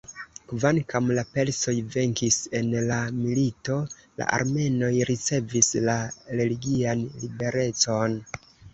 Kvankam la persoj venkis en la milito, la armenoj ricevis la religian liberecon.